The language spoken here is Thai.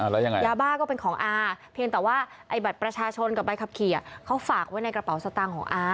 แล้วยังไงยาบ้าก็เป็นของอาเพียงแต่ว่าไอ้บัตรประชาชนกับใบขับขี่เขาฝากไว้ในกระเป๋าสตางค์ของอา